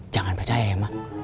jangan percaya ya mak